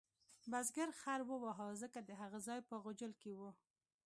بزګر خر وواهه ځکه د هغه ځای په غوجل کې و.